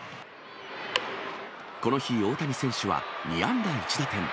この日、大谷選手は２安打１打点。